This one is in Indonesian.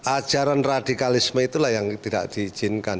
ajaran radikalisme itulah yang tidak diizinkan